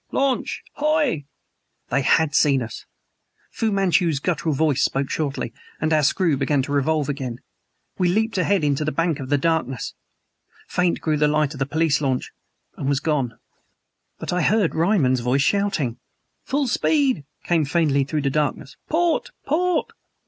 "Launch, 'hoy!" They had seen us! Fu Manchu's guttural voice spoke shortly and our screw began to revolve again; we leaped ahead into the bank of darkness. Faint grew the light of the police launch and was gone. But I heard Ryman's voice shouting. "Full speed!" came faintly through the darkness. "Port! Port!"